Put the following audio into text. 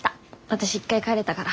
私一回帰れたから。